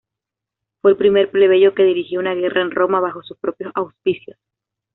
Fue el primer plebeyo que dirigió una guerra en Roma bajo sus propios auspicios.